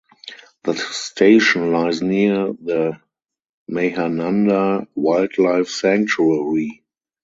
The station lies near the Mahananda Wildlife Sanctuary.